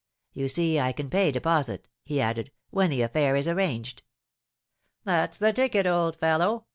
"You see I can pay deposit," he added, "when the affair is arranged." "That's the ticket, old fellow!"